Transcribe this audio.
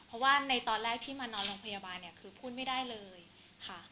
เพราะว่าในตอนแรกที่มานอนโรงพยาบาลเนี่ยคือพูดไม่ได้เลยค่ะ